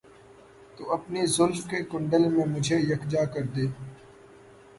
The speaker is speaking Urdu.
تو اپنی زلف کے کنڈل میں مجھے یکجا کر دے